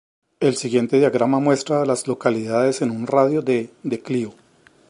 El siguiente diagrama muestra a las localidades en un radio de de Clio.